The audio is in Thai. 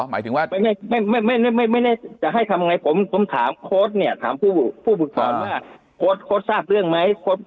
ไม่จะให้ทำยังไงผมถามโค้ดเนี่ยถามผู้ฝึกสอนว่าโค้ดทราบเรื่องไหม